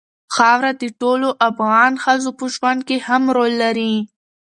خاوره د ټولو افغان ښځو په ژوند کې هم رول لري.